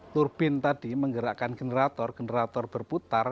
turbin tadi menggerakkan generator generator berputar